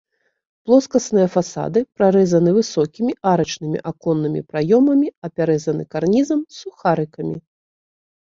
Плоскасныя фасады прарэзаны высокімі арачнымі аконнымі праёмамі, апяразаны карнізам з сухарыкамі.